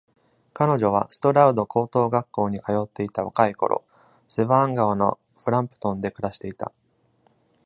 彼女はストラウド高等学校に通っていた若いころ、セヴァーン川のフランプトンで暮らしていた。